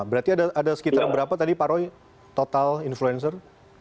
berarti ada sekitar berapa tadi pak roy total influencer